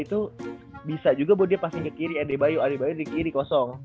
itu bisa juga buat dia pasang ke kiri ad bayo ad bayo di kiri kosong